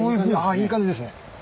あいい感じですね。